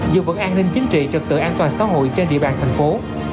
dự vận an ninh chính trị trật tựa an toàn xã hội trên địa bàn thành phố